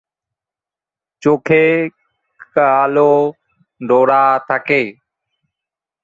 চোখে কালো ডোরা থাকে।